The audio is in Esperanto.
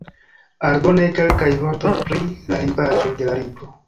Aldone kelkaj vortoj pri la lingvaĵo de la libro.